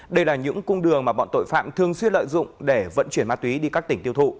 đây là những cung đường mà bọn tội phạm thường xuyên lợi dụng để vận chuyển ma túy đi các tỉnh tiêu thụ